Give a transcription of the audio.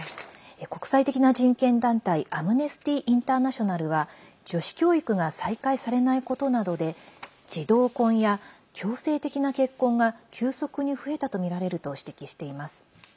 国際的な人権団体アムネスティ・インターナショナルは女子教育が再開されないことなどで児童婚や、強制的な結婚が急速に増えたとみられると指摘しています。